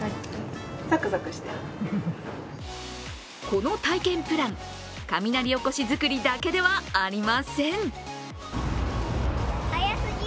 この体験プラン雷おこし作りだけではありません。